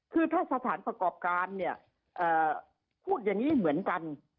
คือถ้าสถานประกอบการเนี่ยพูดอย่างนี้เหมือนกัน